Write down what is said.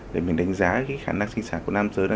để mình đánh giá cái khả năng sinh sản của nam giới đó